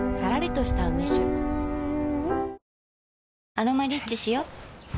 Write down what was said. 「アロマリッチ」しよ